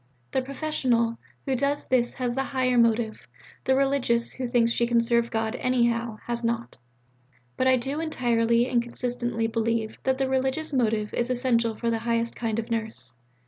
The 'professional' who does this has the higher motive; the 'religious' who thinks she can serve God 'anyhow' has not. But I do entirely and constantly believe that the religious motive is essential for the highest kind of nurse.